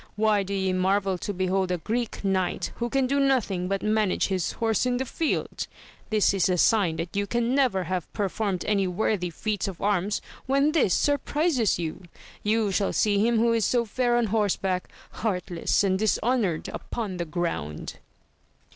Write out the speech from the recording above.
why do ye marvel to behold a Greek knight, who can do nothing but manage his horse in the field ? this is a sign that you can never have performed any worthy feats of arms when this surprizes you. You shall see him who is so fair on horseback, heartless and dishonoured upon the ground